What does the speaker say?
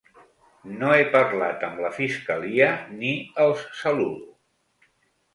No he parlat amb la fiscalia, ni els saludo.